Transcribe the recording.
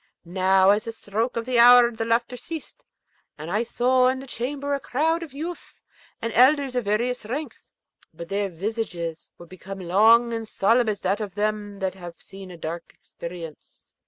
Now, at a stroke of the hour the laughter ceased, and I saw in the chamber a crowd of youths and elders of various ranks; but their visages were become long and solemn as that of them that have seen a dark experience.